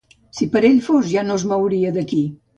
Si per ell fos, ja no es mouria d'aquí.